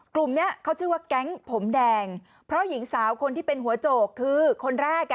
กลุ่มเนี้ยเขาชื่อว่าแก๊งผมแดงเพราะหญิงสาวคนที่เป็นหัวโจกคือคนแรกอ่ะ